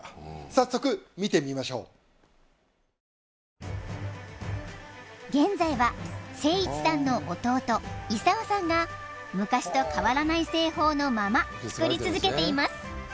早速見てみましょう現在は清一さんの弟勲さんが昔と変わらない製法のまま作り続けています